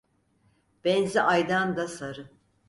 Benzi aydan da sarı.